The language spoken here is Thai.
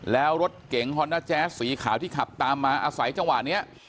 แล้วรถเก๋งฮอนด้าแจ๊สสีขาวที่ขับตามมาอาศัยจังหวะนี้